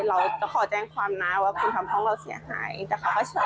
เจ้าของห้องเช่าโพสต์คลิปนี้